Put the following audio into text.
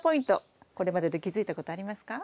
これまでで気付いたことありますか？